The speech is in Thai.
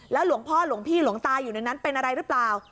หลวงพ่อหลวงพี่หลวงตาอยู่ในนั้นเป็นอะไรหรือเปล่า